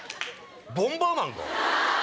ボンバーマンか！